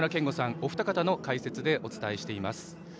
お二方の解説でお伝えしています。